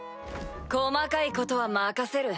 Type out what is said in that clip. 細かいことは任せる。